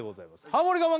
ハモリ我慢